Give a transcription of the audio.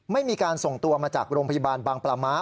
ไม่มีการส่งตัวมาจากโรงพยาบาลบางปลาม้า